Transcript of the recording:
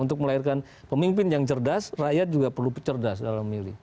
untuk melahirkan pemimpin yang cerdas rakyat juga perlu cerdas dalam memilih